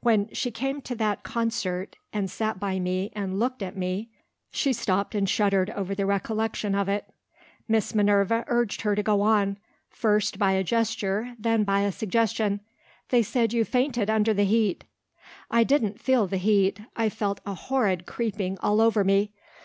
When she came to that concert, and sat by me and looked at me " She stopped, and shuddered over the recollection of it. Miss Minerva urged her to go on first, by a gesture; then by a suggestion: "They said you fainted under the heat." "I didn't feel the heat. I felt a horrid creeping all over me.